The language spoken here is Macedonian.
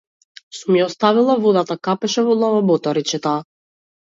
Сум ја оставила водата, капеше во лавабото, рече таа.